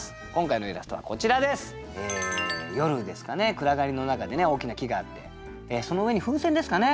暗がりの中で大きな木があってその上に風船ですかね？